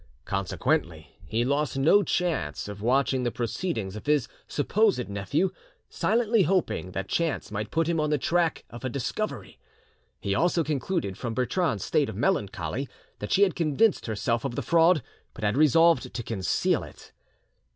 Consequently he lost no chance of watching the proceedings of his supposed nephew, silently hoping that chance might put him on the track of a discovery. He also concluded from Bertrande's state of melancholy that she had convinced herself of the fraud, but had resolved to conceal it.